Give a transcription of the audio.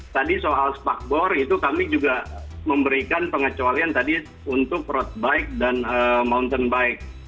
tadi soal spakbor itu kami juga memberikan pengecualian tadi untuk road bike dan mountain bike